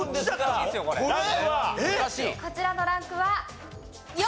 こちらのランクは４。